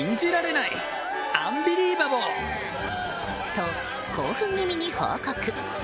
と、興奮気味に報告。